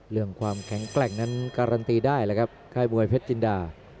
เรื่องความแข็งแกร่งนั้นการันตีได้แล้วครับค่ายมวยเพชรจินดา